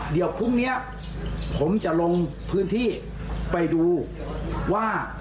เดี๋ยวพรุ่งนี้ผมจะลงพื้นที่ไปดูว่า